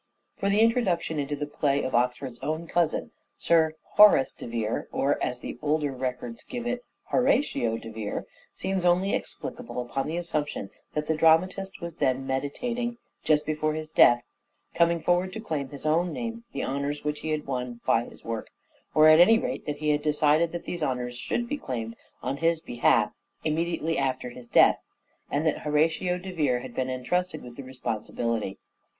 For the introduction into the play of Oxford's own cousin, Sir Horace de Vere (or, as the older records give it, Horatio de Vere) seems only explicable upon the assumption that the dramatist was then meditating — just before his death — coming 478 "SHAKESPEARE" IDENTIFIED forward to claim in his own name the honours which he had won by his work ; or, at any rate, that he had decided that these honours should be claimed on his behalf immediately after his death, and that Horatio de Vere had been entrusted with the responsi bility.